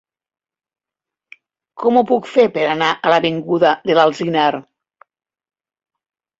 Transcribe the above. Com ho puc fer per anar a l'avinguda de l'Alzinar?